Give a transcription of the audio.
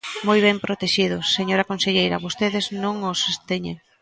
Moi ben protexidos, señora conselleira, vostedes non os teñen.